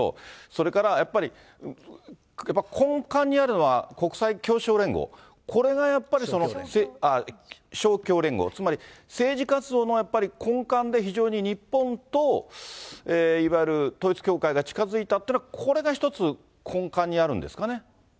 それからやっぱり根幹にあるのは、国際勝共連合、これがやっぱり、つまり政治活動もやっぱり根幹でつまり日本といわゆる統一教会が近づいたってのは、これが一つ、根幹にあるんですかね。